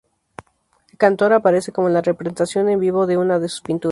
Cantor aparece como la representación en vivo de una de sus pinturas.